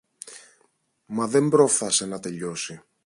Μα δεν πρόφθασε να τελειώσει.